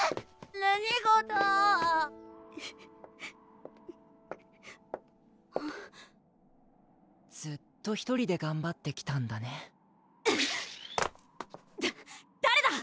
何事ぉ・・ずっと１人でがんばってきたんだねだ誰だ？